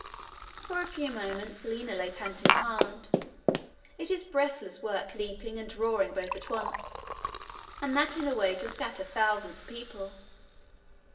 For a few moments Lina lay panting hard: it is breathless work leaping and roaring both at once, and that in a way to scatter thousands of people.